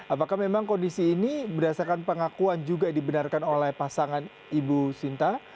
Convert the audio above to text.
apakah memang kondisi ini berdasarkan pengakuan juga dibenarkan oleh pasangan ibu sinta